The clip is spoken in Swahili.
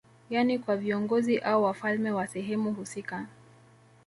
Yani kwa viongozi au wafalme wa sehemu husika